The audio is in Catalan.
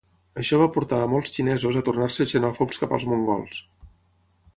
Això va portar a molts xinesos a tornar-se xenòfobs cap als mongols.